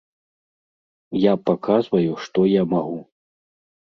Я паказваю, што я магу.